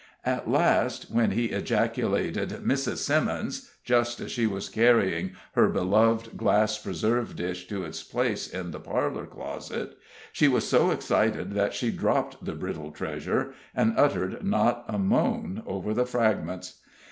At last, when he ejaculated, "Mrs. Simmons," just as she was carrying her beloved glass preserve dish to its place in the parlor closet, she was so excited that she dropped the brittle treasure, and uttered not a moan over the fragments.